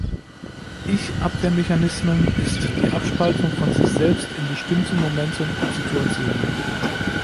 Ich-Abwehrmechanismen ist die Abspaltung von sich selbst in bestimmten Momenten und Situationen.